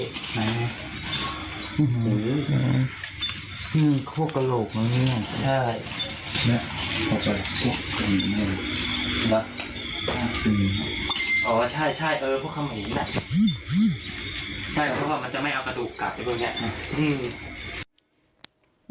ใช่เพราะว่ามันจะไม่เอากระดูกกลับไปด้วยแน่